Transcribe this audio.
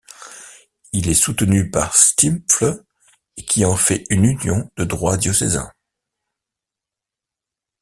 Il est soutenu par Stimpfle qui en fait une union de droit diocésain.